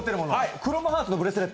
クロムハーツのブレスレット。